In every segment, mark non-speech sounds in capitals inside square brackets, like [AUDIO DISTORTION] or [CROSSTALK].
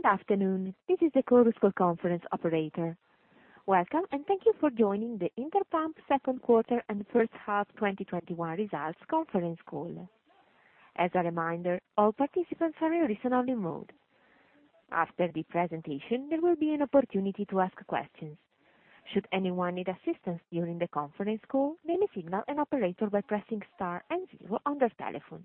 Good afternoon. This is the Chorus Call conference operator. Welcome, and thank you for joining the Interpump second quarter and first half 2021 results conference call. As a reminder, all participants are in listen-only mode. After the presentation, there will be an opportunity to ask questions. Should anyone need assistance during the conference call, they may signal an operator by pressing star and zero on their telephone.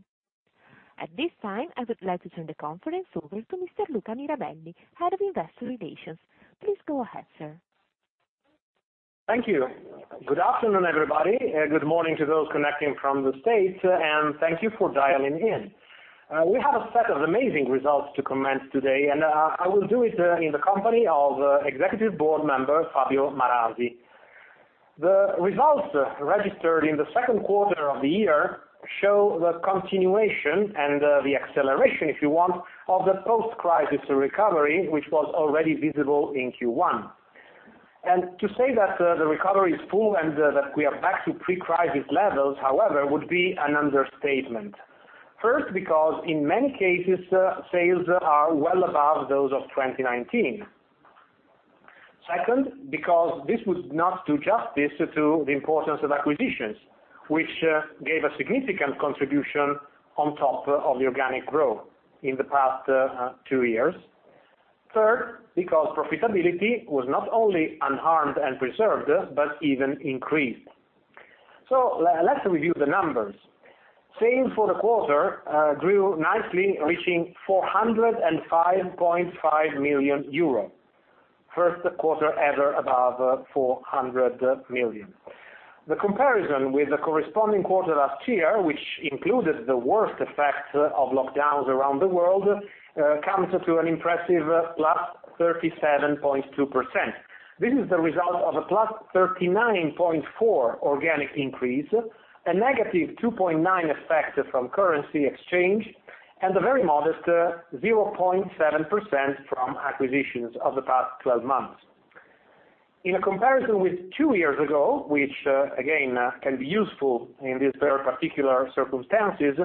At this time, I would like to turn the conference over to Mr. Luca Mirabelli, Head of Investor Relations. Please go ahead, sir. Thank you. Good afternoon, everybody, and good morning to those connecting from the States., and thank you for dialing in. We have a set of amazing results to commence today, and I will do it in the company of Executive Board Member Fabio Marasi. The results registered in the second quarter of the year show the continuation and the acceleration, if you want, of the post-crisis recovery, which was already visible in Q1. To say that the recovery is full and that we are back to pre-crisis levels, however, would be an understatement. First, because in many cases, sales are well above those of 2019. Second, because this would not do justice to the importance of acquisitions, which gave a significant contribution on top of the organic growth in the past two years. Third, because profitability was not only unharmed and preserved, but even increased. Let's review the numbers. Sales for the quarter grew nicely, reaching 405.5 million euro. First quarter ever above 400 million. The comparison with the corresponding quarter last year, which included the worst effects of lockdowns around the world, comes to an impressive +37.2%. This is the result of a +39.4% organic increase, a -2.9% effect from currency exchange, and a very modest +0.7% from acquisitions of the past 12 months. In a comparison with two years ago, which again, can be useful in these very particular circumstances,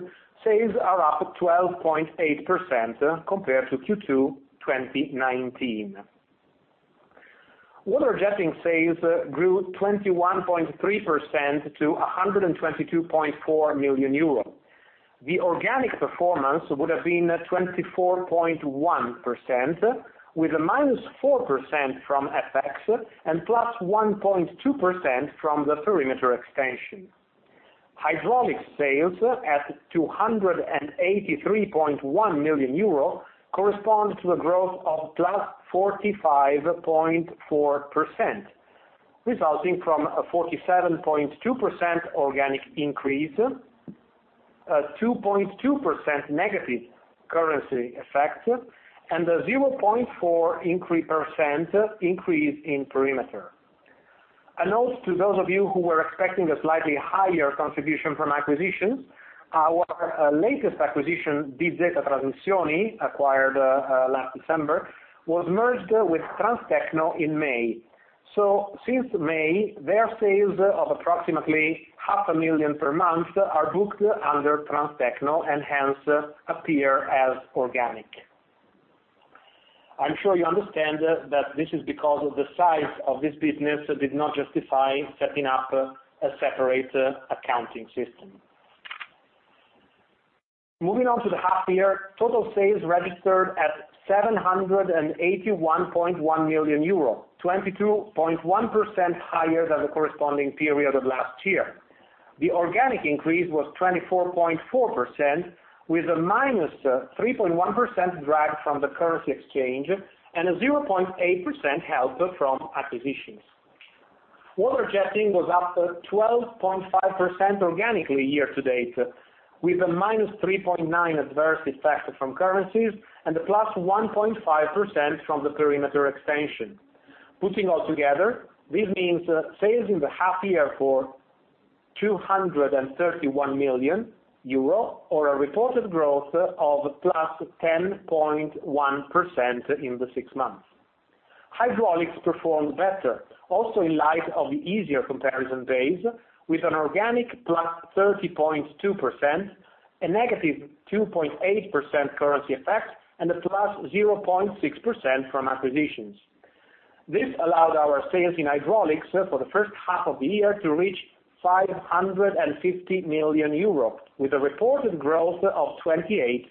sales are up 12.8% compared to Q2 2019. Water jetting sales grew 21.3% to 122.4 million euros. The organic performance would have been 24.1%, with a -4% from FX and +1.2% from the perimeter extension. Hydraulic sales at 283.1 million euro correspond to a growth of +45.4%, resulting from a 47.2% organic increase, a 2.2% negative currency effect, and a 0.4% increase in perimeter. A note to those of you who were expecting a slightly higher contribution from acquisitions, our latest acquisition, DZ Trasmissioni, acquired last December, was merged with Transtecno in May. Since May, their sales of approximately 500,000 per month are booked under Transtecno, and hence appear as organic. I am sure you understand that this is because the size of this business did not justify setting up a separate accounting system. Moving on to the half year, total sales registered at 781.1 million euro, 22.1% higher than the corresponding period of last year. The organic increase was 24.4%, with a -3.1% drag from the currency exchange and a 0.8% help from acquisitions. Water jetting was up 12.5% organically year to date, with a -3.9% adverse effect from currencies and a +1.5% from the perimeter extension. Putting all together, this means sales in the half year for 231 million euro or a reported growth of +10.1% in the six months. Hydraulics performed better, also in light of the easier comparison base, with an organic +30.2%, a -2.8% currency effect, and a +0.6% from acquisitions. This allowed our sales in Hydraulics for the first half of the year to reach 550 million euros with a reported growth of 28%.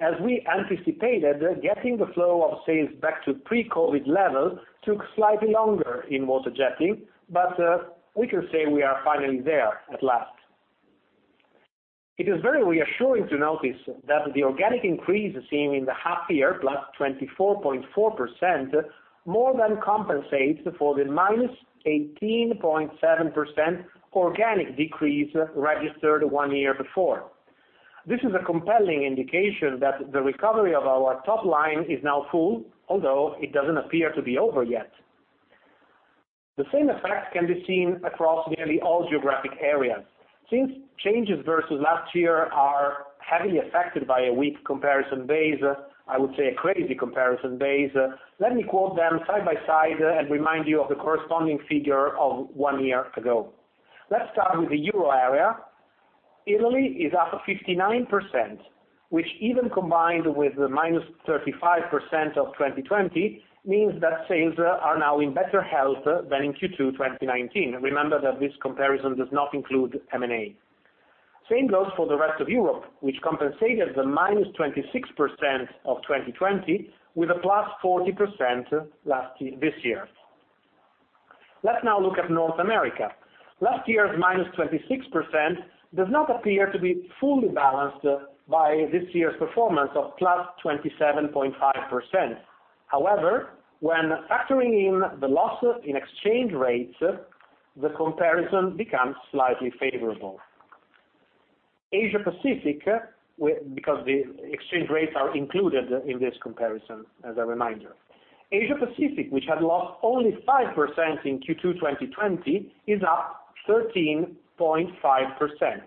As we anticipated, getting the flow of sales back to pre-COVID levels took slightly longer in Water-Jetting, but we can say we are finally there at last. It is very reassuring to notice that the organic increase seen in the half year, +24.4%, more than compensates for the -18.7% organic decrease registered one year before. This is a compelling indication that the recovery of our top line is now full, although it doesn't appear to be over yet. The same effect can be seen across nearly all geographic areas. Since changes versus last year are heavily affected by a weak comparison base, I would say a crazy comparison base, let me quote them side by side and remind you of the corresponding figure of one year ago. Let's start with the Euro area. Italy is up 59%, which even combined with the -35% of 2020, means that sales are now in better health than in Q2 2019. Remember that this comparison does not include M&A. Same goes for the rest of Europe, which compensated the -26% of 2020 with a +40% this year. Let's now look at North America. Last year's -26% does not appear to be fully balanced by this year's performance of +27.5%. However, when factoring in the loss in exchange rates, the comparison becomes slightly favorable. The exchange rates are included in this comparison, as a reminder. Asia Pacific, which had lost only 5% in Q2 2020, is up 13.5%.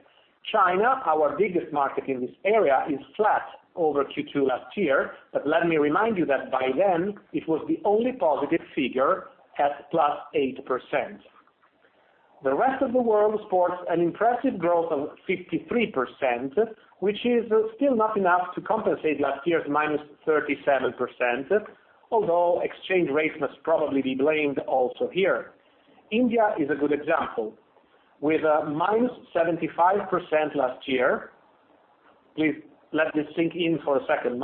China, our biggest market in this area, is flat over Q2 last year, let me remind you that by then it was the only positive figure at +8%. The rest of the world sports an impressive growth of 53%, which is still not enough to compensate last year's -37%, although exchange rates must probably be blamed also here. India is a good example. With a -75% last year, please let this sink in for a second,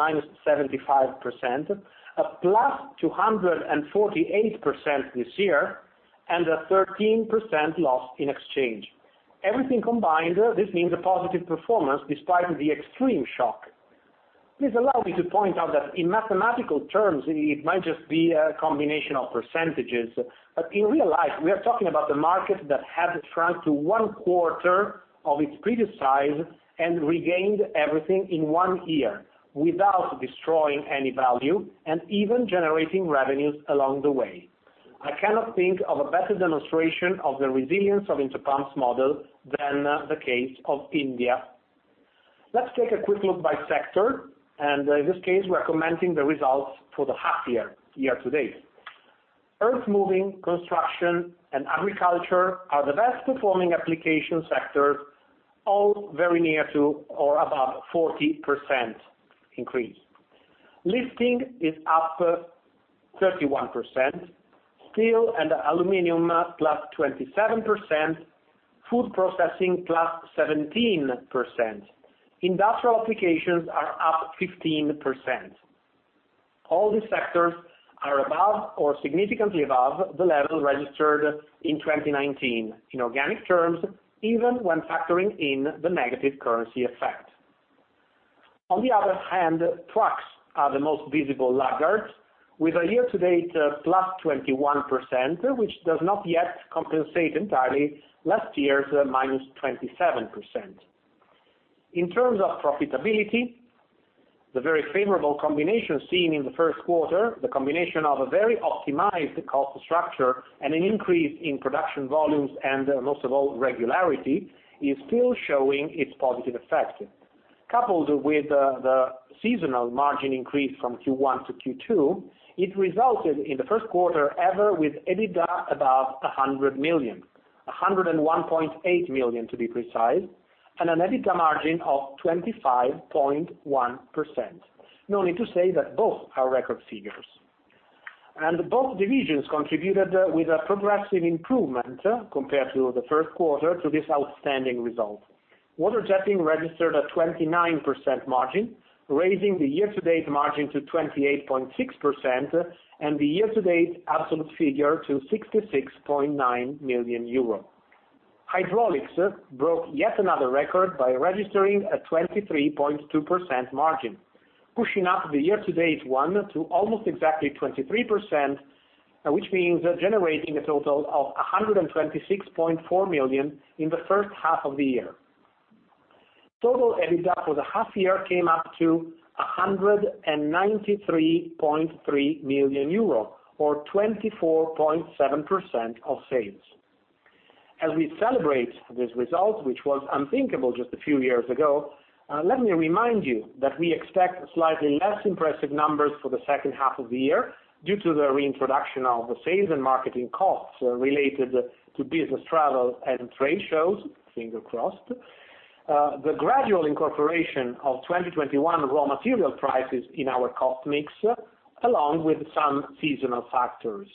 -75%, a +248% this year, and a 13% loss in exchange. Everything combined, this means a positive performance despite the extreme shock. Please allow me to point out that in mathematical terms, it might just be a combination of percentages. In real life, we are talking about a market that had shrunk to 1/4 of its previous size and regained everything in one year without destroying any value and even generating revenues along the way. I cannot think of a better demonstration of the resilience of Interpump's model than the case of India. Let's take a quick look by sector. In this case, we are commenting the results for the half-year, year-to-date. Earthmoving, construction, and agriculture are the best performing application sectors, all very near to or above 40% increase. Lifting is up 31%, steel and aluminum +27%, food processing +17%. Industrial applications are up 15%. All these sectors are above or significantly above the level registered in 2019 in organic terms, even when factoring in the negative currency effect. On the other hand, trucks are the most visible laggards with a year-to-date +21%, which does not yet compensate entirely last year to the -27%. In terms of profitability, the very favorable combination seen in the first quarter, the combination of a very optimized cost structure and an increase in production volumes, and most of all, regularity, is still showing its positive effect. Coupled with the seasonal margin increase from Q1 to Q2, it resulted in the first quarter ever with EBITDA above 100 million, 101.8 million to be precise, and an EBITDA margin of 25.1%. No need to say that both are record figures. Both divisions contributed with a progressive improvement compared to the first quarter to this outstanding result. Water-Jetting registered a 29% margin, raising the year-to-date margin to 28.6% and the year-to-date absolute figure to 66.9 million euros. Hydraulics broke yet another record by registering a 23.2% margin, pushing up the year-to-date one to almost exactly 23%, which means generating a total of 126.4 million in the first half of the year. Total EBITDA for the half year came up to 193.3 million euro or 24.7% of sales. As we celebrate this result, which was unthinkable just a few years ago, let me remind you that we expect slightly less impressive numbers for the second half of the year due to the reintroduction of the sales and marketing costs related to business travel and trade shows, finger crossed. The gradual incorporation of 2021 raw material prices in our cost mix, along with some seasonal factors.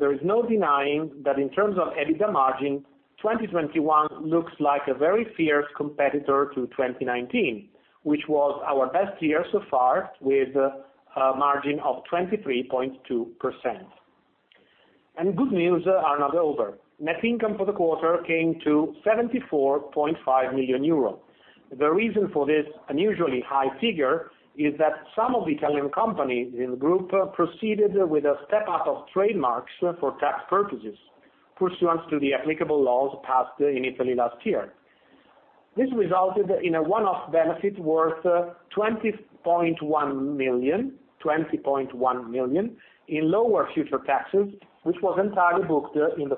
There is no denying that in terms of EBITDA margin, 2021 looks like a very fierce competitor to 2019, which was our best year so far with a margin of 23.2%. Good news are not over. Net income for the quarter came to 74.5 million euro. The reason for this unusually high figure is that some of the Italian companies in the group proceeded with a step-up of trademarks for tax purposes, pursuant to the applicable laws passed in Italy last year. This resulted in a one-off benefit worth 20.1 million in lower future taxes, which was entirely booked in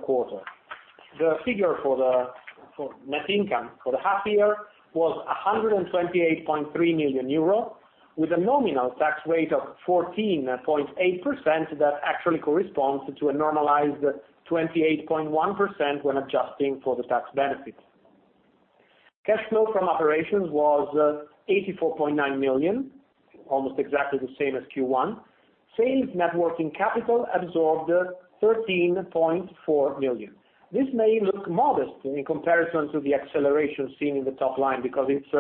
the quarter. The figure for net income for the half year was 128.3 million euro. With a nominal tax rate of 14.8%, that actually corresponds to a normalized 28.1% when adjusting for the tax benefits. Cash flow from operations was 84.9 million, almost exactly the same as Q1. Sales net working capital absorbed 13.4 million. This may look modest in comparison to the acceleration seen in the top line because it's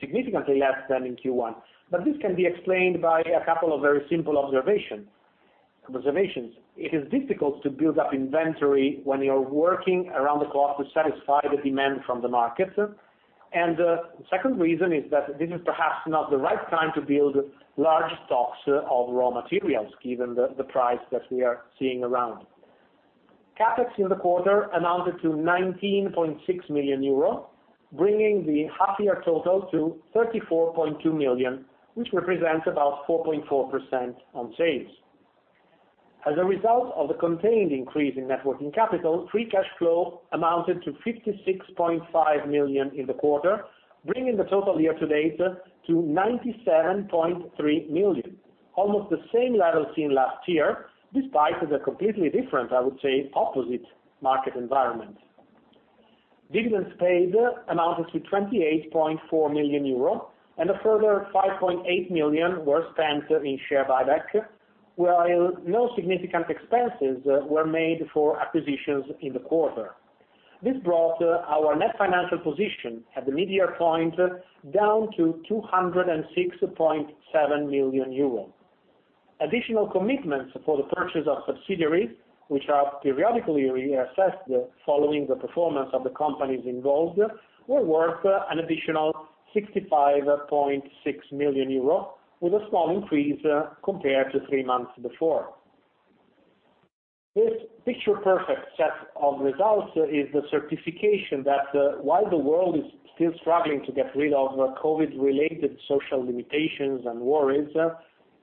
significantly less than in Q1. This can be explained by a couple of very simple observations. It is difficult to build up inventory when you are working around the clock to satisfy the demand from the market. The second reason is that this is perhaps not the right time to build large stocks of raw materials, given the price that we are seeing around. CapEx in the quarter amounted to 19.6 million euro, bringing the half year total to 34.2 million, which represents about 4.4% on sales. As a result of the contained increase in net working capital, free cash flow amounted to 56.5 million in the quarter, bringing the total year to date to 97.3 million, almost the same level seen last year, despite the completely different, I would say, opposite market environment. Dividends paid amounted to 28.4 million euro. A further 5.8 million were spent in share buyback, while no significant expenses were made for acquisitions in the quarter. This brought our net financial position at the mid-year point down to 206.7 million euros. Additional commitments for the purchase of subsidiaries, which are periodically reassessed following the performance of the companies involved, were worth an additional 65.6 million euro, with a small increase compared to three months before. This picture-perfect set of results is the certification that while the world is still struggling to get rid of COVID related social limitations and worries,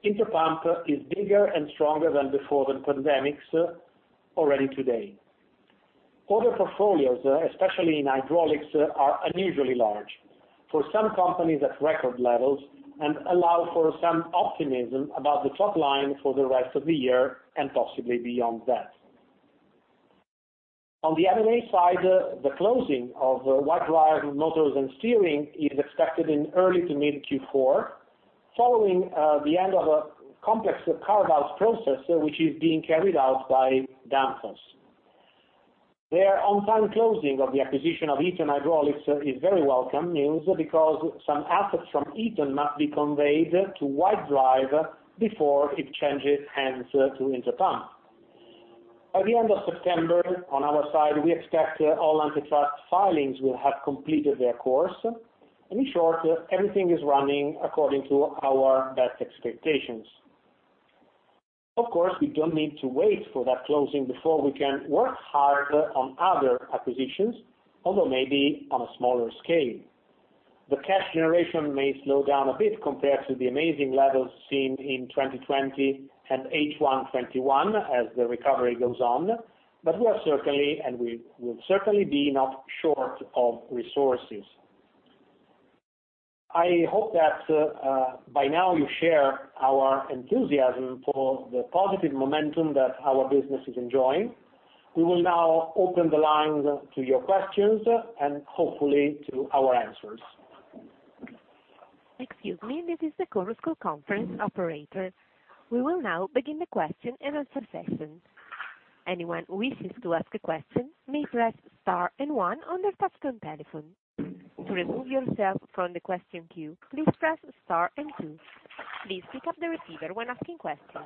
Interpump is bigger and stronger than before the pandemic already today. Order portfolios, especially in Hydraulics, are unusually large. For some companies at record levels, and allow for some optimism about the top line for the rest of the year and possibly beyond that. On the M&A side, the closing of White Drive Motors & Steering is expected in early to mid Q4, following the end of a complex carve-out process which is being carried out by Danfoss. Their on-time closing of the acquisition of Eaton Hydraulics is very welcome news because some assets from Eaton must be conveyed to White Drive before it changes hands to Interpump. By the end of September, on our side, we expect all antitrust filings will have completed their course. In short, everything is running according to our best expectations. Of course, we don't need to wait for that closing before we can work hard on other acquisitions, although maybe on a smaller scale. The cash generation may slow down a bit compared to the amazing levels seen in 2020 and H1 2021 as the recovery goes on, but we are certainly, and we will certainly be not short of resources. I hope that by now you share our enthusiasm for the positive momentum that our business is enjoying. We will now open the lines to your questions and hopefully to our answers. This is the Chorus Call conference operator. We will now begin the question-and-answer session. Anyone who wishes to ask a question may press star and one on the touchtone telephone. To remove yourself from the question queue, please press star and two. Please pick up the receiver when asking question.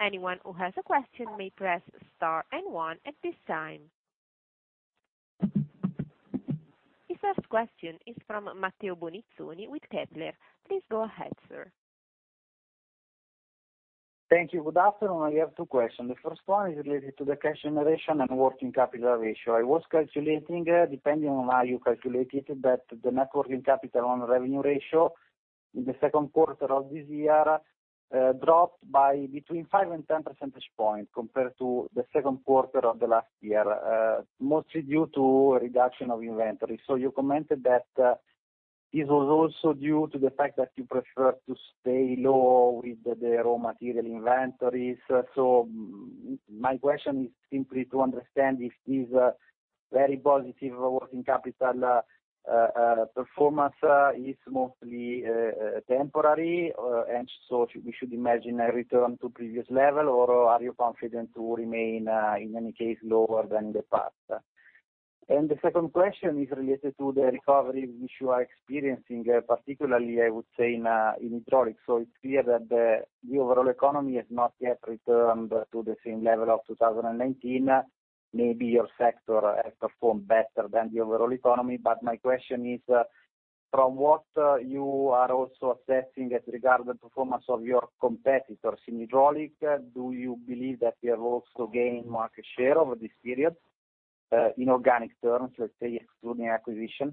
Anyone who has a question may press star and one at this time. The first question is from Matteo Bonizzoni with Kepler. Please go ahead, sir. Thank you. Good afternoon. I have two questions. The first one is related to the cash generation and working capital ratio. I was calculating, depending on how you calculate it, that the net working capital on revenue ratio in the second quarter of this year, dropped by between 5 percentage points and 10 percentage points compared to the second quarter of the last year, mostly due to reduction of inventory. You commented that this was also due to the fact that you prefer to stay low with the raw material inventories. My question is simply to understand if this very positive working capital performance is mostly temporary, and so we should imagine a return to previous level, or are you confident to remain, in any case, lower than the past? The second question is related to the recovery which you are experiencing, particularly, I would say, in Hydraulics. It's clear that the overall economy has not yet returned to the same level of 2019. Maybe your sector has performed better than the overall economy. My question is, from what you are also assessing as regard the performance of your competitors in Hydraulics, do you believe that you have also gained market share over this period, in organic terms, let's say, excluding acquisition?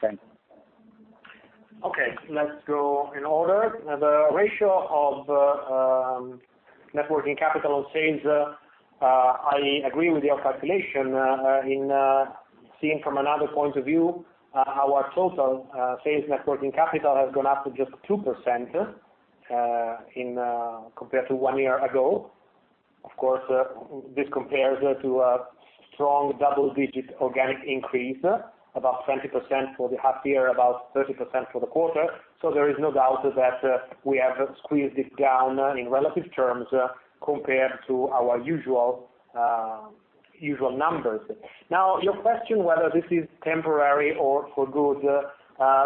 Thanks. Okay, let's go in order. The ratio of net working capital on sales. I agree with your calculation. In seeing from another point of view, our total sales net working capital has gone up to just 2% compared to one year ago. Of course, this compares to a strong double-digit organic increase, about 20% for the half year, about 30% for the quarter. There is no doubt that we have squeezed it down in relative terms compared to our usual numbers. Now, your question whether this is temporary or for good,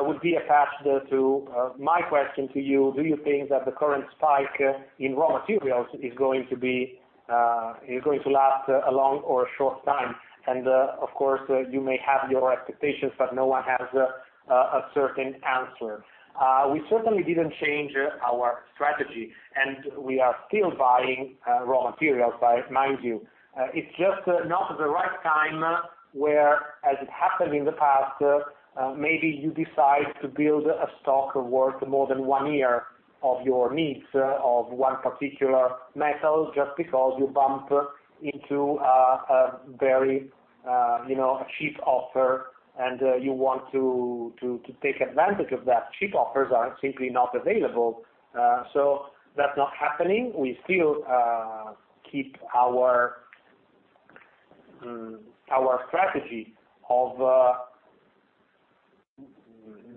would be attached to my question to you, do you think that the current spike in raw materials is going to last a long or a short time? Of course, you may have your expectations, no one has a certain answer. We certainly didn't change our strategy, and we are still buying raw materials. Mind you, it's just not the right time where, as it happened in the past, maybe you decide to build a stock worth more than one year of your needs, of one particular metal, just because you bump into a cheap offer and you want to take advantage of that. Cheap offers are simply not available. That's not happening. We still keep our strategy of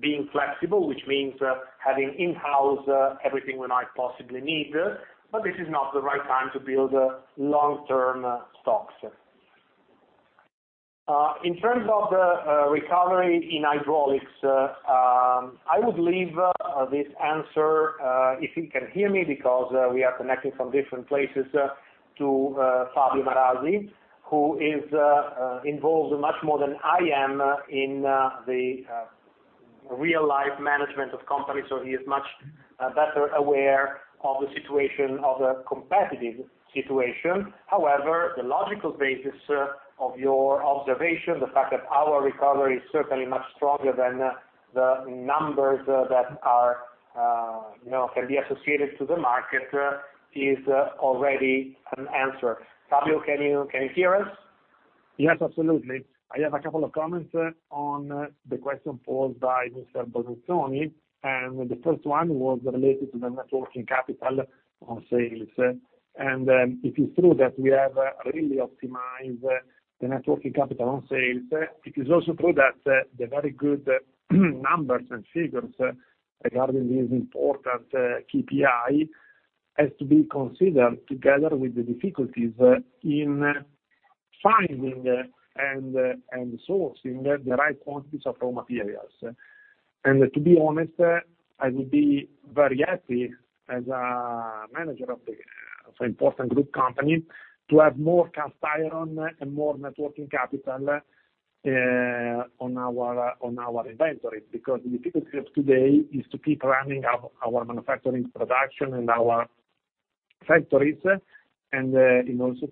being flexible, which means having in-house everything we might possibly need. This is not the right time to build long-term stocks. In terms of the recovery in Hydraulics, I would leave this answer, if you can hear me, because we are connecting from different places, to Fabio Marasi, who is involved much more than I am in the real-life management of companies. He is much better aware of the situation, of the competitive situation. However, the logical basis of your observation, the fact that our recovery is certainly much stronger than the numbers that can be associated to the market, is already an answer. Fabio, can you hear us? Yes, absolutely. I have a couple of comments on the question posed by Mr. Bonizzoni, the first one was related to the net working capital on sales. It is true that we have really optimized the net working capital on sales. It is also true that the very good numbers and figures regarding this important KPI has to be considered together with the difficulties in finding and sourcing the right quantities of raw materials. To be honest, I would be very happy as a manager of an important group company, to have more cast iron and more net working capital on our inventory, because the difficulty of today is to keep running our manufacturing production and our factories. It's also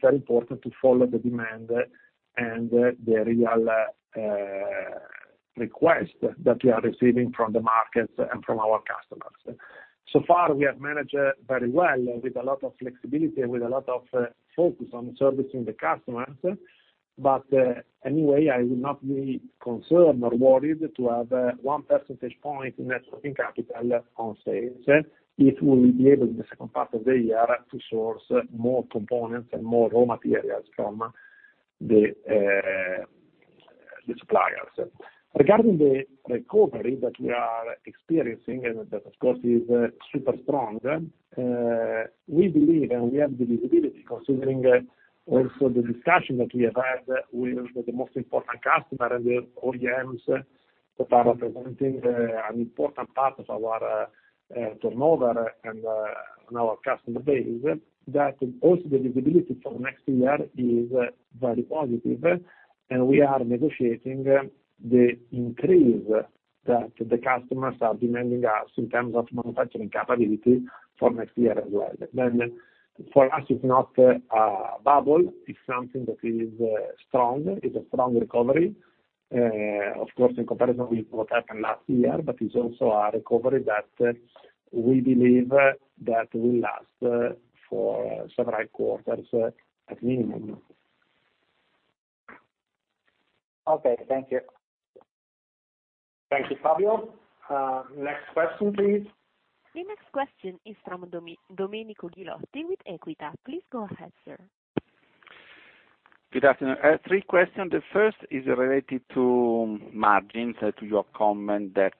very important to follow the demand and the real requests that we are receiving from the markets and from our customers. So far, we have managed very well with a lot of flexibility, with a lot of focus on servicing the customers. Anyway, I would not be concerned nor worried to have 1 percentage point in net working capital on sales. It will enable in the second part of the year to source more components and more raw materials from the suppliers. Regarding the recovery that we are experiencing, and that of course, is super strong. We believe, and we have the visibility, considering also the discussion that we have had with the most important customer and the OEMs that are representing an important part of our turnover and our customer base, that also the visibility for next year is very positive. We are negotiating the increase that the customers are demanding us in terms of manufacturing capability for next year as well. For us, it's not a bubble. It's something that is strong. It's a strong recovery, of course, in comparison with what happened last year, but it's also a recovery that we believe that will last for several quarters at minimum. Okay. Thank you. Thank you, Fabio. Next question, please. The next question is from Domenico Ghilotti with Equita. Please go ahead, sir. Good afternoon. I have three questions. The first is related to margins, to your comment that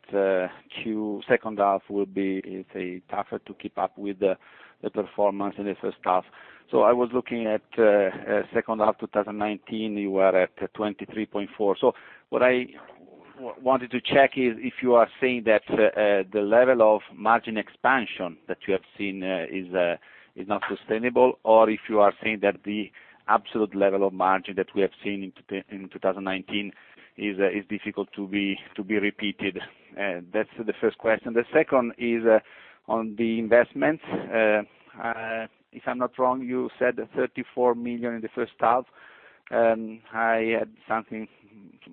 second half will be tougher to keep up with the performance in the first half. I was looking at second half 2019, you were at 23.4%. What I wanted to check is if you are saying that the level of margin expansion that you have seen is not sustainable, or if you are saying that the absolute level of margin that we have seen in 2019 is difficult to be repeated. That's the first question. The second is on the investments. If I'm not wrong, you said 34 million in the first half. I had something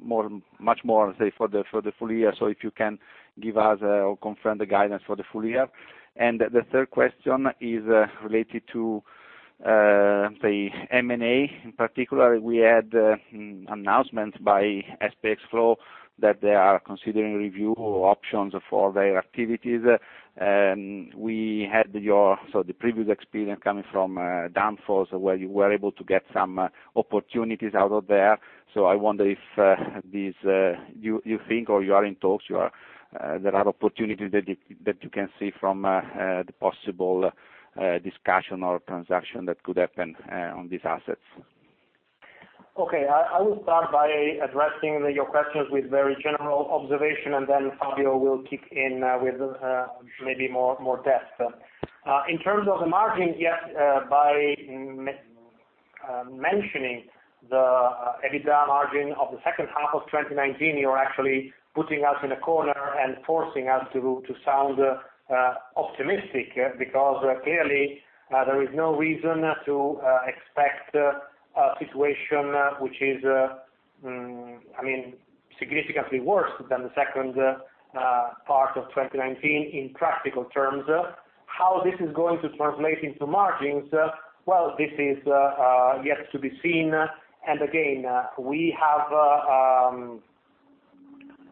much more, say, for the full year. If you can give us or confirm the guidance for the full year. The third question is related to the M&A. In particular, we had an announcement by SPX FLOW that they are considering review options for their activities. We had the previous experience coming from Danfoss, where you were able to get some opportunities out of there. I wonder if you think, or you are in talks, there are opportunities that you can see from the possible discussion or transaction that could happen on these assets. Okay. I will start by addressing your questions with very general observation, then Fabio will kick in with maybe more depth. In terms of the margin, yes, by mentioning the EBITDA margin of the second half of 2019, you are actually putting us in a corner and forcing us to sound optimistic, because clearly, there is no reason to expect a situation which is significantly worse than the second part of 2019, in practical terms. How this is going to translate into margins, well, this is yet to be seen. Again, we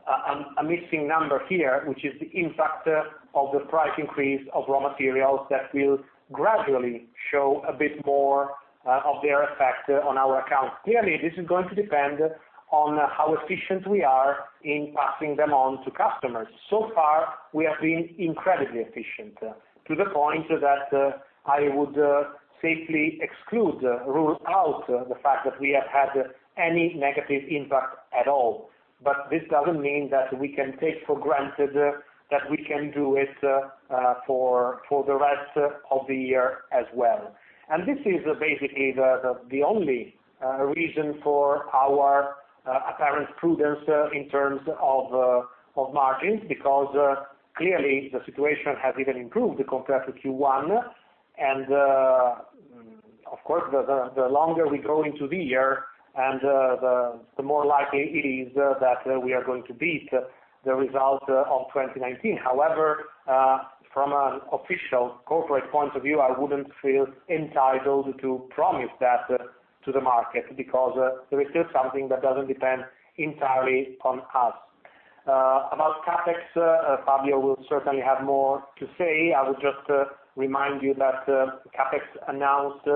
have a missing number here, which is the impact of the price increase of raw materials that will gradually show a bit more of their effect on our accounts. Clearly, this is going to depend on how efficient we are in passing them on to customers. So far, we have been incredibly efficient, to the point that I would safely exclude, rule out, the fact that we have had any negative impact at all. This doesn't mean that we can take for granted that we can do it for the rest of the year as well. This is basically the only reason for our apparent prudence in terms of margins, because clearly the situation has even improved compared to Q1. Of course, the longer we go into the year, and the more likely it is that we are going to beat the result of 2019. From an official corporate point of view, I wouldn't feel entitled to promise that to the market, because there is still something that doesn't depend entirely on us. About CapEx, Fabio will certainly have more to say. I would just remind you that CapEx announced,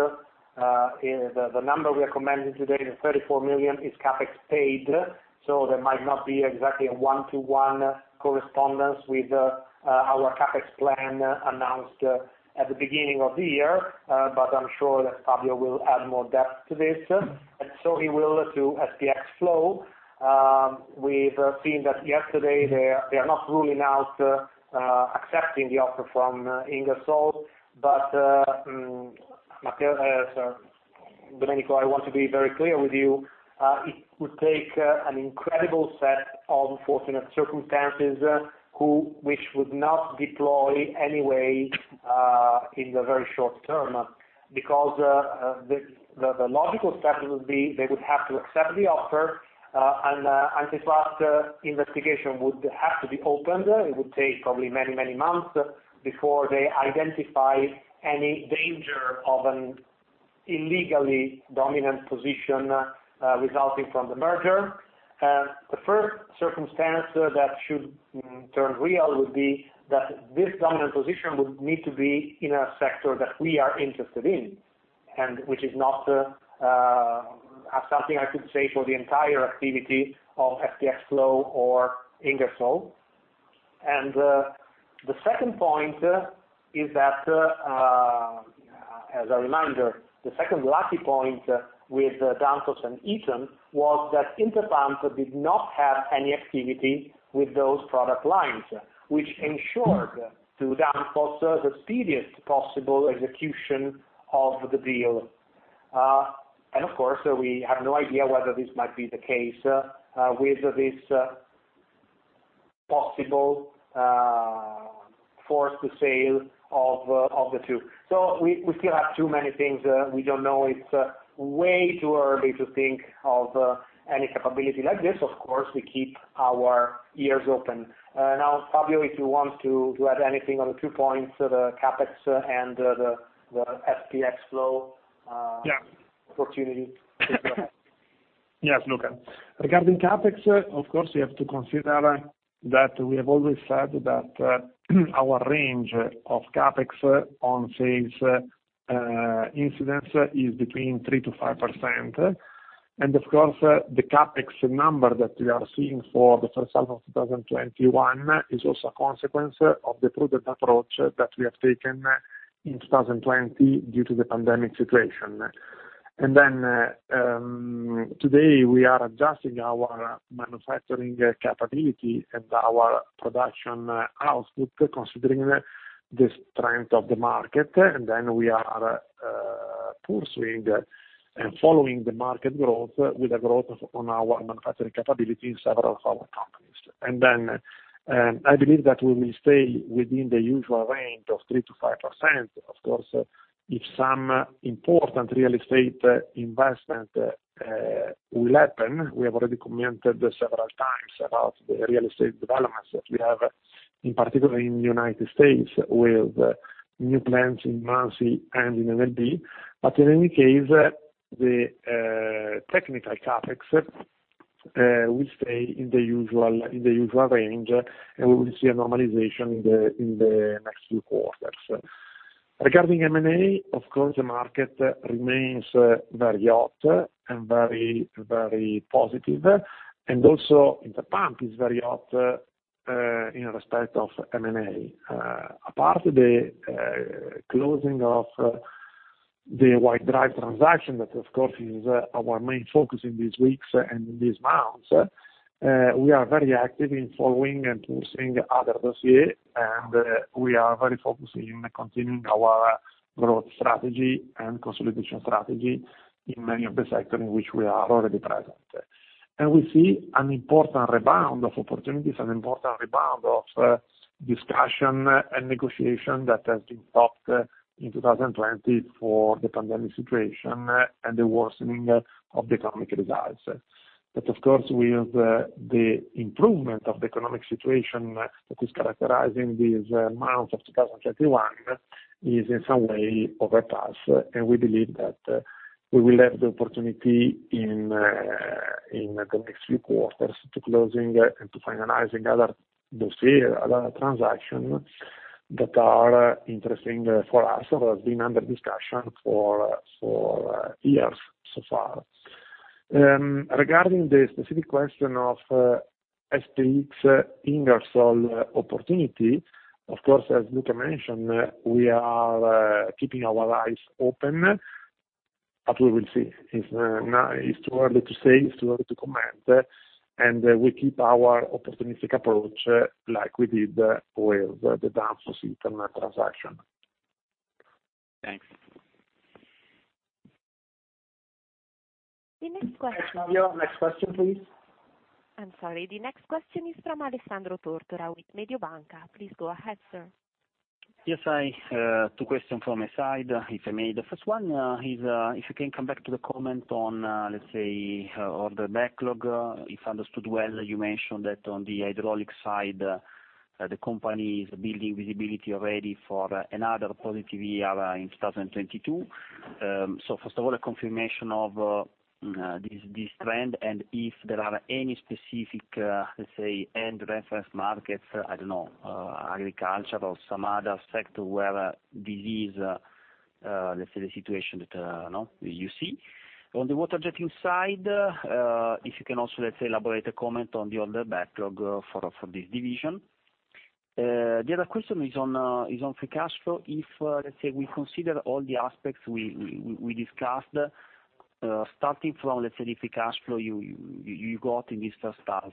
the number we are commenting today, the 34 million, is CapEx paid. There might not be exactly a 1:1 correspondence with our CapEx plan announced at the beginning of the year. I'm sure that Fabio will add more depth to this. He will to SPX FLOW. We've seen that yesterday, they are not ruling out accepting the offer from Ingersoll. Domenico, I want to be very clear with you. The logical step would be they would have to accept the offer, an antitrust investigation would have to be opened. It would take probably many months before they identify any danger of an illegally dominant position resulting from the merger. The first circumstance that should turn real would be that this dominant position would need to be in a sector that we are interested in, which is not something I could say for the entire activity of SPX FLOW or Ingersoll. The second point is that, as a reminder, the second lucky point with Danfoss and Eaton was that Interpump did not have any activity with those product lines, which ensured to Danfoss the speediest possible execution of the deal. Of course, we have no idea whether this might be the case with this possible forced sale of the two. We still have too many things we don't know. It's way too early to think of any capability like this. Of course, we keep our ears open. Now, Fabio, if you want to add anything on the two points, the CapEx and the SPX FLOW opportunity. Yes, Luca. Regarding CapEx, of course, we have to consider that we have always said that our range of CapEx on sales incidents is between 3%-5%. Of course, the CapEx number that we are seeing for the first half of 2021 is also a consequence of the prudent approach that we have taken in 2020 due to the pandemic situation. Today we are adjusting our manufacturing capability and our production output, considering the strength of the market. We are pursuing and following the market growth with a growth on our manufacturing capability in several of our countries. I believe that we will stay within the usual range of 3%-5%. Of course, if some important real estate investment will happen. We have already commented several times about the real estate developments that we have, in particular in the United States., with new plants in Muncie and in NLB. In any case, the technical CapEx will stay in the usual range, and we will see a normalization in the next few quarters. Regarding M&A, of course, the market remains very hot and very positive, and also Interpump is very hot in respect of M&A. Apart the closing of the White Drive transaction, that, of course, is our main focus in these weeks and in these months. We are very active in following and pushing other dossier, and we are very focused in continuing our growth strategy and consolidation strategy in many of the sector in which we are already present. We see an important rebound of opportunities, an important rebound of discussion and negotiation that has been stopped in 2020 for the pandemic situation and the worsening of the economic results. Of course, with the improvement of the economic situation that is characterizing these months of 2021, is in some way overpass, and we believe that we will have the opportunity in the next few quarters to closing and to finalizing other dossier, other transaction that are interesting for us, that has been under discussion for years so far. Regarding the specific question of SPX, Ingersoll opportunity, of course, as Luca mentioned, we are keeping our eyes open, but we will see. It is too early to say, it is too early to comment, and we keep our opportunistic approach like we did with the Danfoss [AUDIO DISTORTION] transaction. Thanks. The next question. Thanks, Fabio. Next question, please. I'm sorry. The next question is from Alessandro Tortora with Mediobanca. Please go ahead, sir. Yes. Two question from my side, if I may. The first one is, if you can come back to the comment on, let's say, order backlog. If understood well, you mentioned that on the Hydraulics side, the company is building visibility already for another positive year in 2022. First of all, a confirmation of this trend, and if there are any specific, let's say, end reference markets, I don't know, agriculture or some other sector where this is, let's say, the situation that, you see. On the Water-Jetting side, if you can also, let's say, elaborate a comment on the order backlog for this division. The other question is on free cash flow. If, let's say, we consider all the aspects we discussed, starting from, let's say, the free cash flow you got in this first half,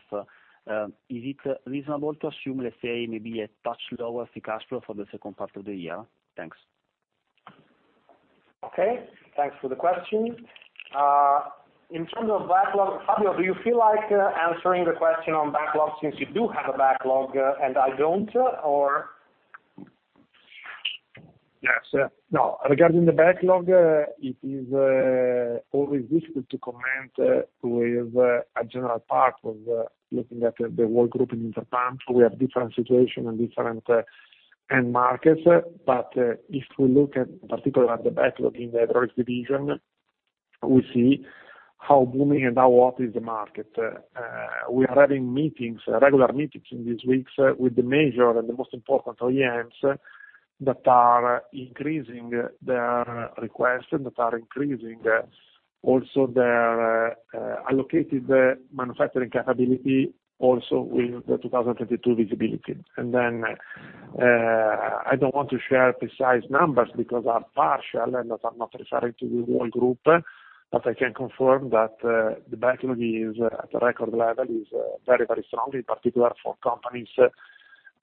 is it reasonable to assume, let's say, maybe a touch lower free cash flow for the second part of the year? Thanks. Okay, thanks for the question. In terms of backlog, Fabio, do you feel like answering the question on backlog since you do have a backlog, and I don't, or? Yes. Regarding the backlog, it is always difficult to comment with a general part of looking at the whole group in Interpump. We have different situation and different end markets. If we look at, in particular, the backlog in the Hydraulics division, we see how booming and how hot is the market. We are having meetings, regular meetings, in these weeks with the major and the most important OEMs that are increasing their request and that are increasing also their allocated manufacturing capability also with the 2022 visibility. Then, I don't want to share precise numbers because are partial and that I'm not referring to the whole group. I can confirm that the backlog is at a record level, is very strong, in particular for companies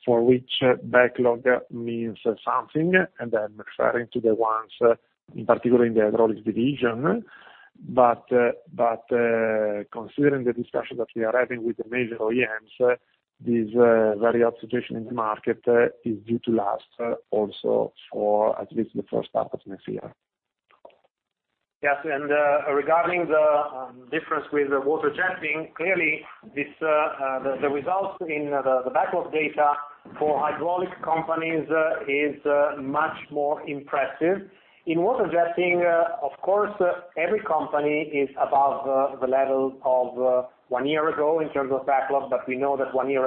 for which backlog means something. I'm referring to the ones, in particular, in the Hydraulics division. Considering the discussion that we are having with the major OEMs, this very observation in the market is due to last also for at least the first half of next year. Yes. Regarding the difference with Water-Jetting, clearly, the results in the backlog data for Hydraulics companies is much more impressive. In Water-Jetting, of course, every company is above the level of one year ago in terms of backlog, but we know that one year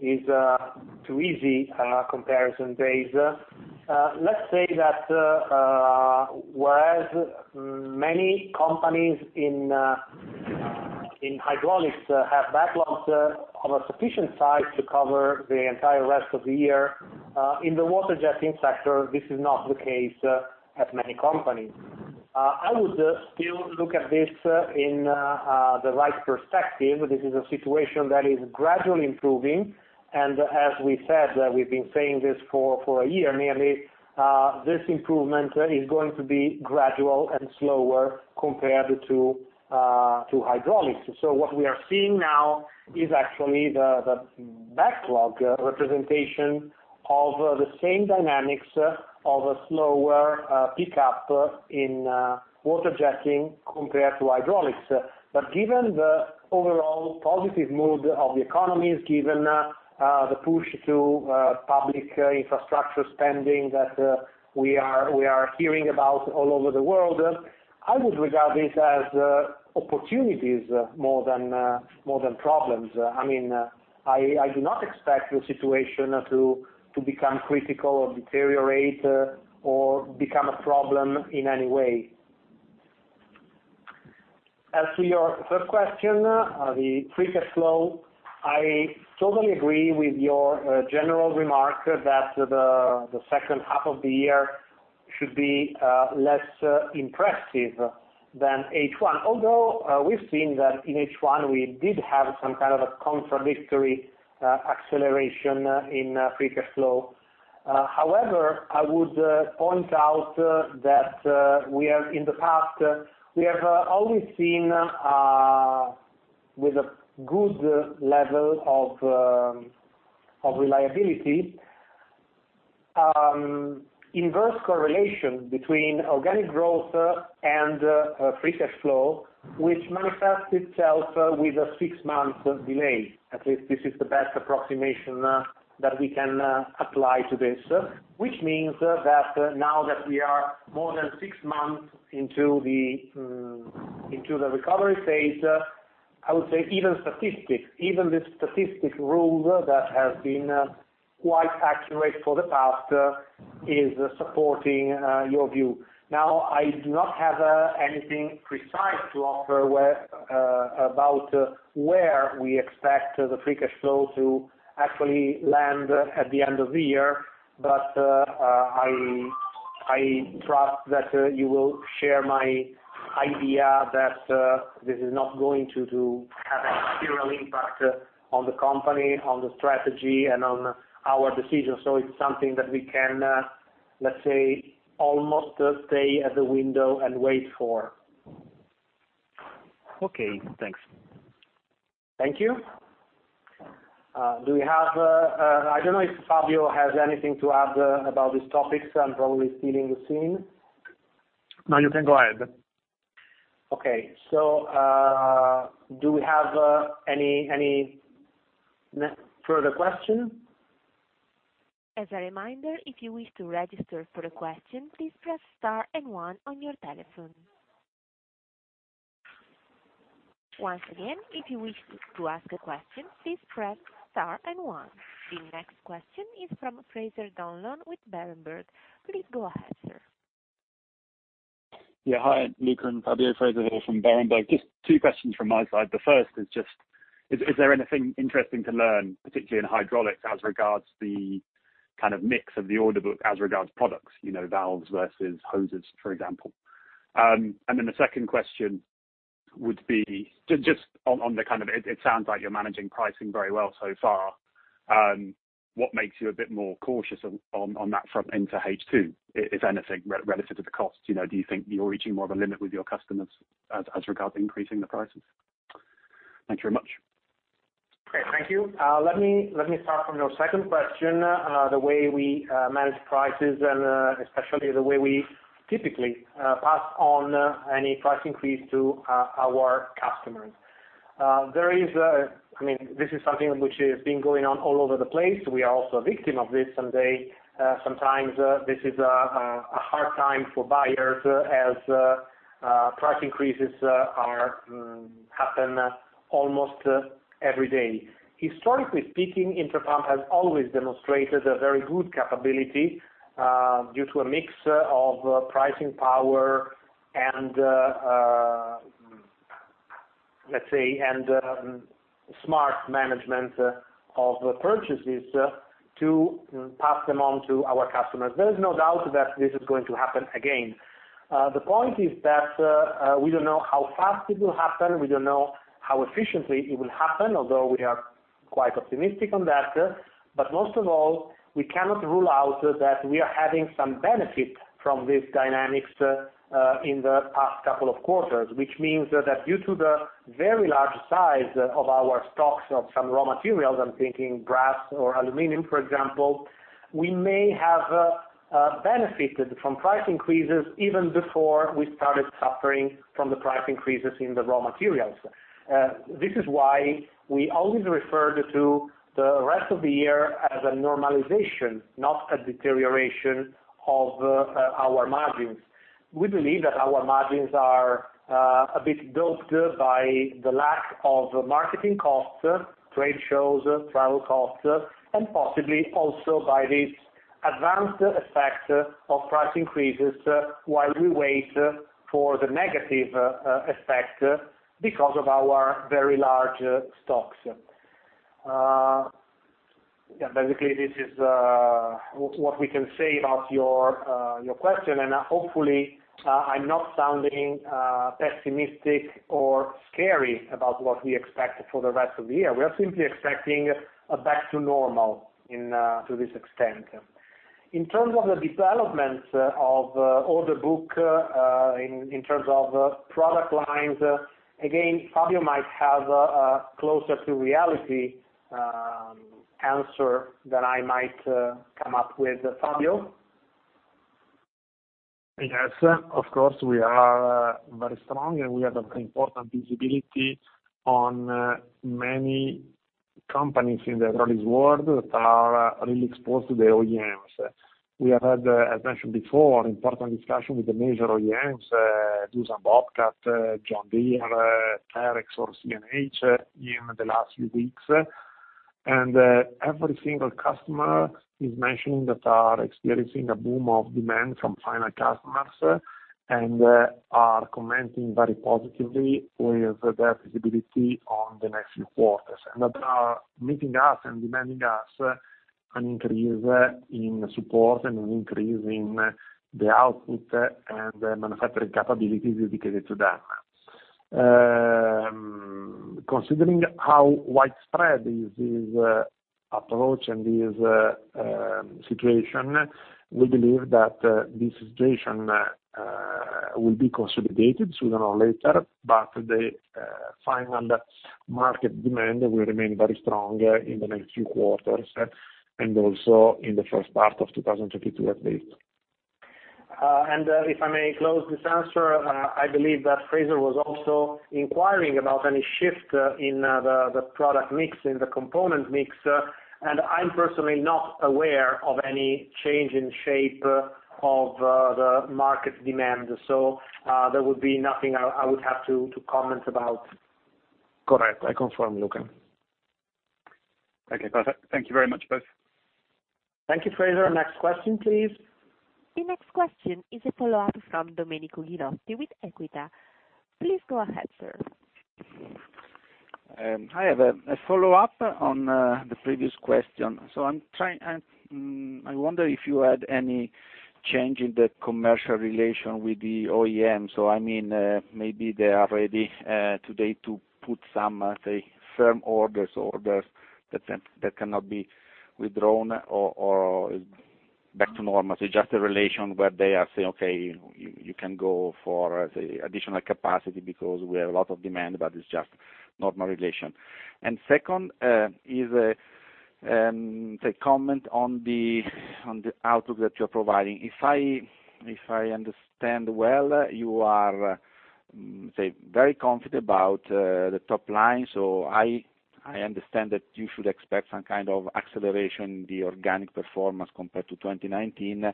ago is a too easy comparison base. Let's say that whereas many companies in Hydraulics have backlogs of a sufficient size to cover the entire rest of the year, in the Water-Jetting sector, this is not the case at many companies. I would still look at this in the right perspective. This is a situation that is gradually improving, and as we said, we've been saying this for a year nearly, this improvement is going to be gradual and slower compared to Hydraulics. What we are seeing now is actually the backlog representation of the same dynamics of a slower pickup in Water-Jetting compared to Hydraulics. Given the overall positive mood of the economy, given the push to public infrastructure spending that we are hearing about all over the world, I would regard this as opportunities more than problems. I do not expect the situation to become critical or deteriorate or become a problem in any way. As to your third question, the free cash flow, I totally agree with your general remark that the second half of the year should be less impressive than H1. Although, we've seen that in H1, we did have some kind of a contradictory acceleration in free cash flow. I would point out that in the past, we have always seen, with a good level of reliability, inverse correlation between organic growth and free cash flow, which manifests itself with a six-month delay. At least this is the best approximation that we can apply to this. This means that now that we are more than six months into the recovery phase, I would say even the statistical rule that has been quite accurate for the past is supporting your view. I do not have anything precise to offer about where we expect the free cash flow to actually land at the end of the year, but I trust that you will share my idea that this is not going to have a material impact on the company, on the strategy, and on our decisions. It's something that we can, let's say, almost stay at the window and wait for. Okay, thanks. Thank you. I don't know if Fabio has anything to add about these topics. I'm probably stealing the scene. No, you can go ahead. Okay. Do we have any further question? As a reminder, if you wish to register for a question, please press star and one on your telephone. Once again, if you wish to ask a question, please press star and one. The next question is from Fraser Donlon with Berenberg. Please go ahead, sir. Yeah. Hi, Luca and Fabio. Fraser here from Berenberg. Just two questions from my side. The first is just, is there anything interesting to learn, particularly in Hydraulics, as regards the kind of mix of the order book as regards products? Valves versus hoses, for example. Then the second question would be just on the kind of, it sounds like you're managing pricing very well so far. What makes you a bit more cautious on that front into H2, if anything, relative to the costs? Do you think you're reaching more of a limit with your customers as regards increasing the prices? Thank you so much. Okay, thank you. Let me start from your second question. The way we manage prices and especially the way we typically pass on any price increase to our customers. This is something which has been going on all over the place. We are also a victim of this. Sometimes this is a hard time for buyers, as price increases happen almost every day. Historically speaking, Interpump has always demonstrated a very good capability, due to a mix of pricing power and, let's say, smart management of purchases to pass them on to our customers. There is no doubt that this is going to happen again. The point is that, we don't know how fast it will happen. We don't know how efficiently it will happen, although we are quite optimistic on that. Most of all, we cannot rule out that we are having some benefit from these dynamics in the past couple of quarters. Which means that due to the very large size of our stocks of some raw materials, I'm thinking brass or aluminum, for example, we may have benefited from price increases even before we started suffering from the price increases in the raw materials. This is why we always referred to the rest of the year as a normalization, not a deterioration of our margins. We believe that our margins are a bit doped by the lack of marketing costs, trade shows, travel costs, and possibly also by this advanced effect of price increases while we wait for the negative effect because of our very large stocks. Yeah, basically, this is what we can say about your question. Hopefully, I'm not sounding pessimistic or scary about what we expect for the rest of the year. We are simply expecting a back to normal to this extent. In terms of the developments of order book, in terms of product lines, again, Fabio might have a closer to reality answer than I might come up with. Fabio? Yes. Of course, we are very strong, and we have a very important visibility on many companies in the Hydraulics world that are really exposed to the OEMs. We have had, as mentioned before, important discussion with the major OEMs, Doosan Bobcat, John Deere, Terex, or CNH in the last few weeks. Every single customer is mentioning that are experiencing a boom of demand from final customers and are commenting very positively with their visibility on the next few quarters, and that are meeting us and demanding us an increase in support and an increase in the output and manufacturing capabilities dedicated to them. Considering how widespread is this approach and this situation, we believe that this situation will be consolidated sooner or later, but the final market demand will remain very strong in the next few quarters and also in the first part of 2022 at least. If I may close this answer, I believe that Fraser was also inquiring about any shift in the product mix, in the component mix. I'm personally not aware of any change in shape of the market demand. There would be nothing I would have to comment about. Correct. I confirm, Luca. Okay, perfect. Thank you very much, both. Thank you, Fraser. Next question, please. The next question is a follow-up from Domenico Ghilotti with Equita. Please go ahead, sir. I have a follow-up on the previous question. I wonder if you had any change in the commercial relation with the OEM. I mean, maybe they are ready today to put some firm orders that cannot be withdrawn or back to normal. Just a relation where they are saying, "Okay, you can go for additional capacity because we have a lot of demand, but it's just normal relation." Second is comment on the outlook that you're providing. If I understand well, you are very confident about the top line. I understand that you should expect some kind of acceleration the organic performance compared to 2019,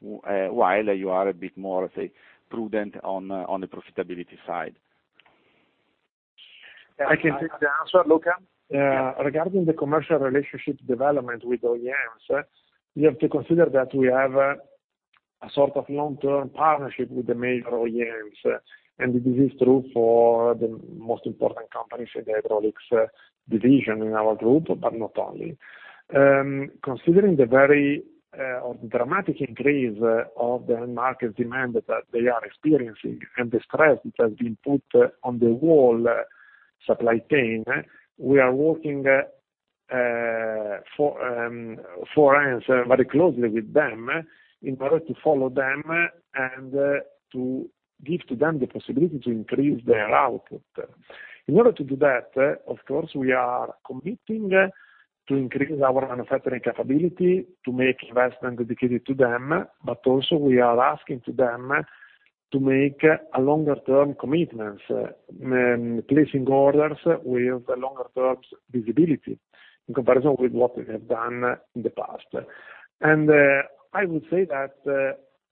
while you are a bit more prudent on the profitability side. I can take the answer, Luca. Yeah. Regarding the commercial relationship development with OEMs, you have to consider that we have a sort of long-term partnership with the major OEMs, and this is true for the most important companies in the Hydraulics division in our group, but not only. Considering the very dramatic increase of the market demand that they are experiencing and the stress which has been put on the whole supply chain, we are working four hands very closely with them in order to follow them and to give to them the possibility to increase their output. In order to do that, of course, we are committing to increase our manufacturing capability to make investment dedicated to them, but also we are asking to them to make a longer term commitments, placing orders with longer terms visibility in comparison with what we have done in the past. I would say that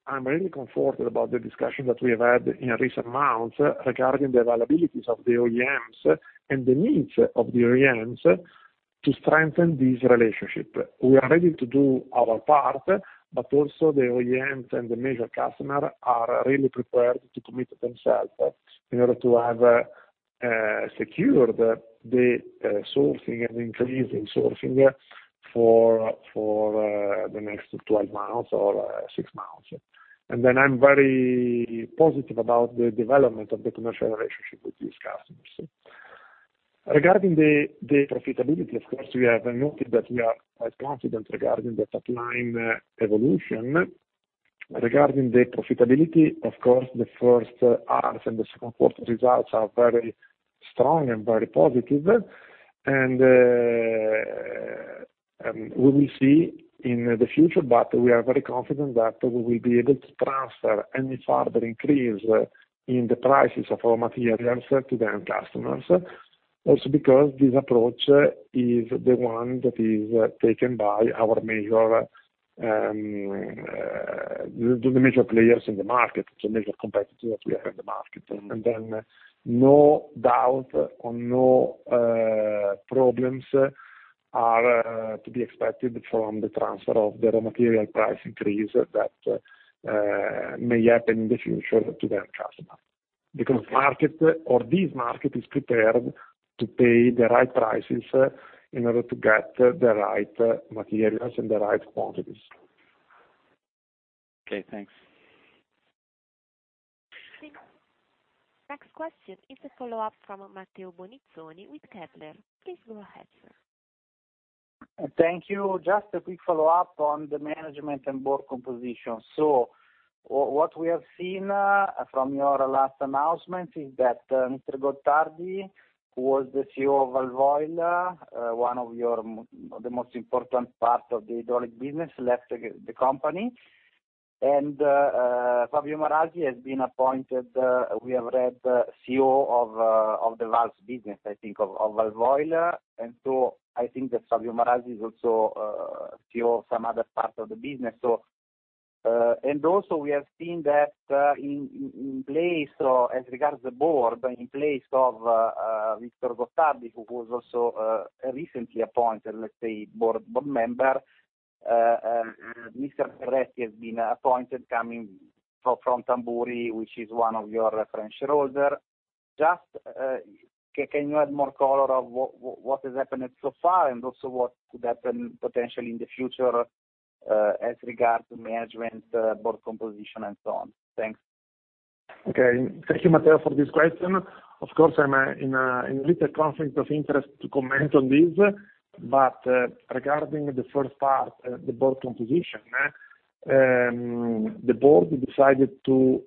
I'm really comforted about the discussion that we have had in recent months regarding the availabilities of the OEMs and the needs of the OEMs to strengthen this relationship. We are ready to do our part, but also the OEMs and the major customer are really prepared to commit themselves in order to have secured the sourcing and increasing sourcing for the next 12 months or six months. I'm very positive about the development of the commercial relationship with these customers. Regarding the profitability, of course, we have noted that we are quite confident regarding the top line evolution. Regarding the profitability, of course, the first half and the second quarter results are very strong and very positive. We will see in the future, but we are very confident that we will be able to transfer any further increase in the prices of our materials to the end customers. Because this approach is the one that is taken by the major players in the market, so major competitor that we have in the market, and then, no doubt or no problems are to be expected from the transfer of the raw material price increase that may happen in the future to the end customer. Market, or this market, is prepared to pay the right prices in order to get the right materials and the right quantities. Okay, thanks. Thank you. Next question is a follow-up from Matteo Bonizzoni with Kepler. Please go ahead, sir. Thank you. Just a quick follow-up on the management and board composition. What we have seen from your last announcement is that Mr. Gottardi, who was the CEO of Walvoil, one of the most important parts of the Hydraulic business, left the company. Fabio Marasi has been appointed, we have read, CEO of the Valves business, I think, of Walvoil. I think that Fabio Marasi is also CEO of some other parts of the business. Also, we have seen that, as regards the Board, in place of Victor Gottardi, who was also recently appointed, let's say, Board member, Mr. Berretti has been appointed coming from Tamburi, which is one of your French shareholders. Just, can you add more color of what has happened so far, and also what could happen potentially in the future, as regards to management, Board composition, and so on? Thanks. Thank you, Matteo, for this question. Regarding the first part, the board composition. The board decided to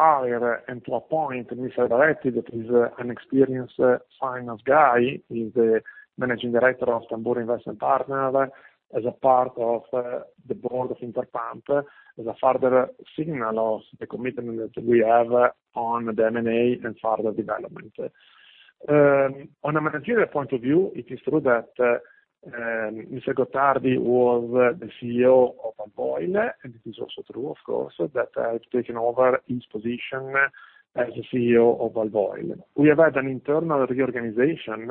hire and to appoint Mr. Berretti, that is an experienced finance guy. He's the managing director of Tamburi Investment Partners, as a part of the Board of Interpump, as a further signal of the commitment that we have on the M&A and further development. On a material point of view, it is true that Mr. Gottardi was the CEO of Walvoil, and it is also true, of course, that I've taken over his position as the CEO of Walvoil. We have had an internal reorganization,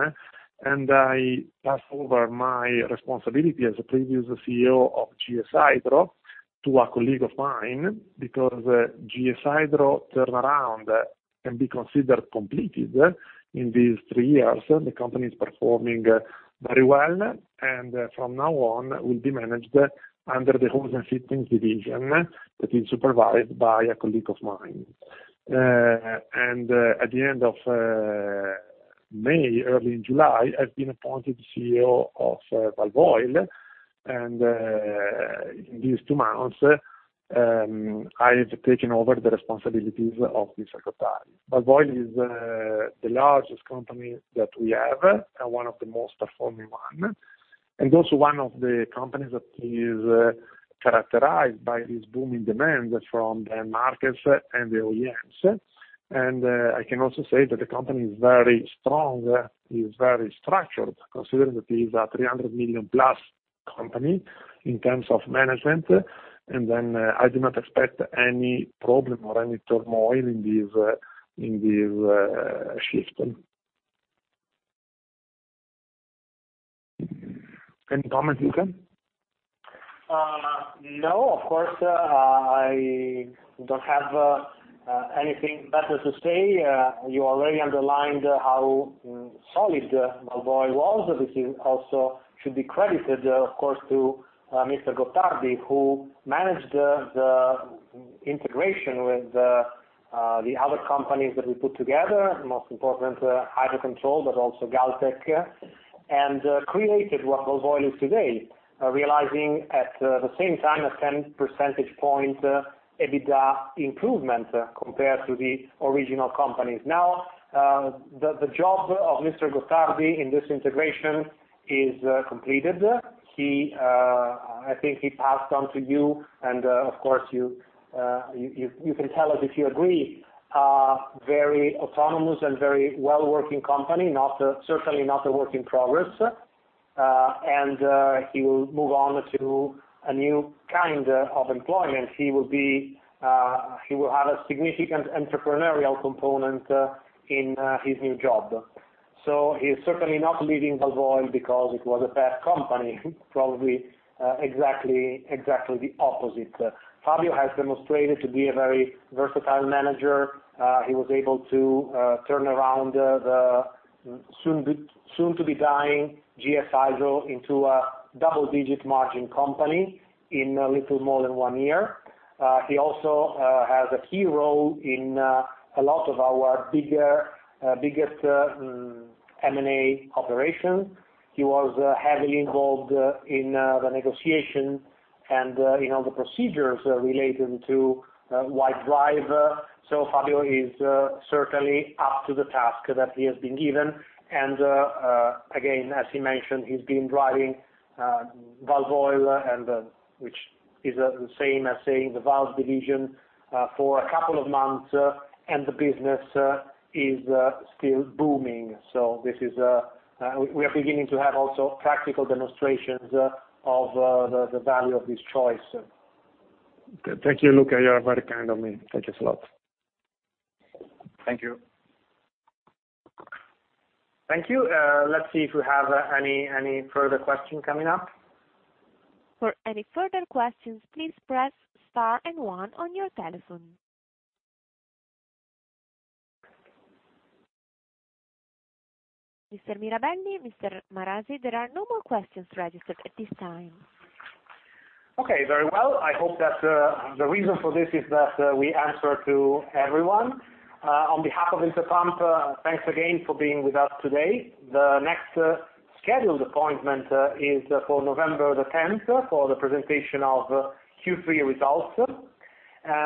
and I passed over my responsibility as a previous CEO of GS-Hydro to a colleague of mine, because GS-Hydro turnaround can be considered completed in these three years. The company is performing very well, and from now on, will be managed under the Hose and Fitting division, that is supervised by a colleague of mine. At the end of May, early in July, I've been appointed CEO of Walvoil, and in these two months, I have taken over the responsibilities of Victor Gottardi. Walvoil is the largest company that we have, and one of the most performing one. Also one of the companies that is characterized by this booming demand from the markets and the OEMs. I can also say that the company is very strong, is very structured, considering that it is a 300+ million company, in terms of management. Then, I do not expect any problem or any turmoil in this shift. Any comment, Luca? No, of course, I don't have anything better to say. You already underlined how solid Walvoil was, which also should be credited, of course, to Mr. Gottardi, who managed the integration with the other companies that we put together. Most important, Hydrocontrol, but also Galtech. Created what Walvoil is today. Realizing, at the same time, a 10 percentage point EBITDA improvement, compared to the original companies. Now, the job of Mr. Gottardi in this integration is completed. I think he passed on to you and, of course, you can tell us if you agree. A very autonomous and very well-working company, certainly not a work in progress. He will move on to a new kind of employment. He will have a significant entrepreneurial component in his new job. He's certainly not leaving Walvoil because it was a bad company, probably exactly the opposite. Fabio has demonstrated to be a very versatile manager. He was able to turn around the soon to be dying GS-Hydro into a double-digit margin company in a little more than one year. He also has a key role in a lot of our biggest M&A operations. He was heavily involved in the negotiation and the procedures related to White Drive. Fabio is certainly up to the task that he has been given. Again, as he mentioned, he's been driving Walvoil, which is the same as saying the Valve division, for a couple of months. The business is still booming. We are beginning to have also practical demonstrations of the value of this choice. Thank you, Luca. You are very kind of me. Thank you a lot. Thank you. Thank you. Let's see if we have any further question coming up. For any further questions, please press star and one on your telephone. Mr. Mirabelli, Mr. Marasi, there are no more questions registered at this time. Okay. Very well. I hope that the reason for this is that we answered to everyone. On behalf of Interpump, thanks again for being with us today. The next scheduled appointment is for November the 10th, for the presentation of Q3 results.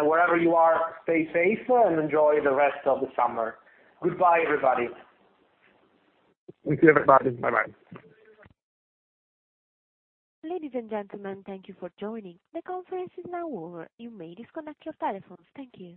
Wherever you are, stay safe and enjoy the rest of the summer. Goodbye, everybody. Thank you, everybody. Bye-bye. Ladies and gentlemen, thank you for joining. The conference is now over, you may disconnect your telephones. Thank you.